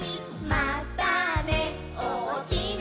「またねおおきなこえで」